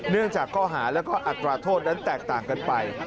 เนื่องจากข้อหาแล้วก็อัตราโทษนั้นแตกต่างกันไป